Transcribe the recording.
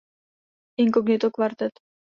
Inkognito kvartet.